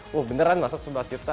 wah beneran masuk rp sebelas juta